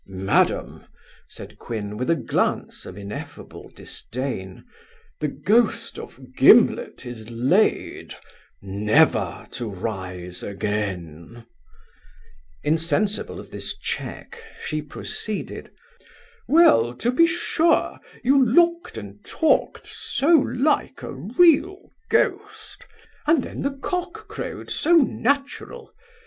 'Madam (said Quin, with a glance of ineffable disdain) the Ghost of Gimlet is laid, never to rise again' Insensible of this check, she proceeded: 'Well, to be sure, you looked and talked so like a real ghost; and then the cock crowed so natural.